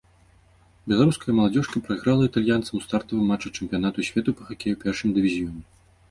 Беларуская маладзёжка прайграла італьянцам у стартавым матчы чэмпіянату свету па хакеі ў першым дывізіёне.